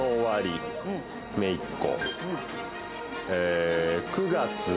でめいっ子。